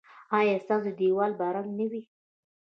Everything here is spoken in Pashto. ایا ستاسو دیوال به رنګ نه وي؟